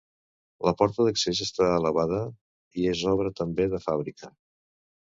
La porta d'accés està elevada i és obra també de fàbrica.